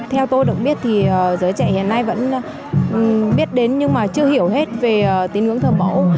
theo tôi được biết giới trẻ hiện nay vẫn biết đến nhưng chưa hiểu hết về tín hưởng thờ mẫu